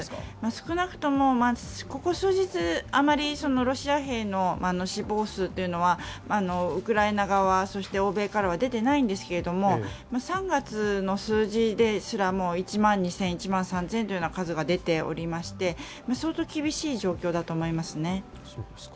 少なくともここ数日、あまりロシア兵の死亡数というのはウクライナ側、そして欧米からは出てないんですけれども３月の数字ですら１万２０００、１万３０００という数字が出ていまして相当厳しい状況だと思いますね。